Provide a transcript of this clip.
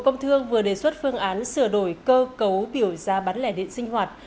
bộ công thương vừa đề xuất phương án sửa đổi cơ cấu biểu giá bán lẻ điện sinh hoạt